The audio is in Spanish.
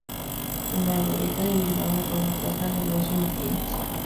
Une la glorieta de Bilbao con la plaza de Alonso Martínez.